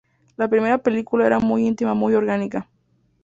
La primera película era muy íntima muy orgánica.